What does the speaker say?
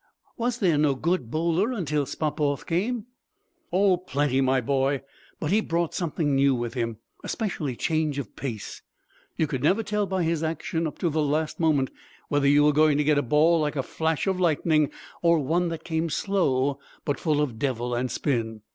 "Was there no good bowler until Spofforth came?" "Oh, plenty, my boy. But he brought something new with him. Especially change of pace you could never tell by his action up to the last moment whether you were going to get a ball like a flash of lightning, or one that came slow but full of devil and spin.